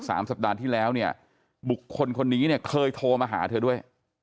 สัปดาห์ที่แล้วเนี่ยบุคคลคนนี้เนี่ยเคยโทรมาหาเธอด้วย